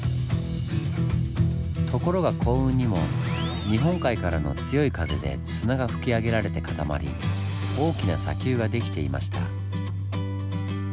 ところが幸運にも日本海からの強い風で砂が吹き上げられて固まり大きな砂丘が出来ていました。